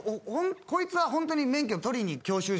こいつはホントに免許取りに教習所？